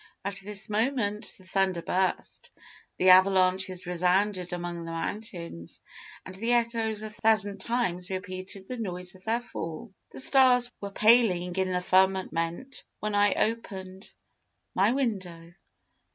At this moment the thunder burst, the avalanches resounded among the mountains, and the echoes a thousand times repeated the noise of their fall. "The stars were paling in the firmament when I opened my window.